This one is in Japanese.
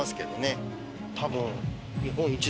多分。